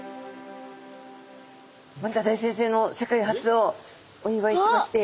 森田大先生の世界初をお祝いしまして。